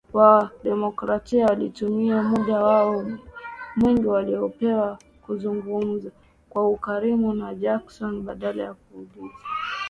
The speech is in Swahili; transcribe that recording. Wa-Democrat walitumia muda wao mwingi waliopewa kuzungumza kwa ukaribu na Jackson, badala ya kuuliza maswali ya moja kwa moja